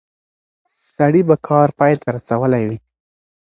سړی به کار پای ته رسولی وي.